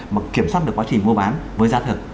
mà kiểm soát được quá trình mua bán với giá thực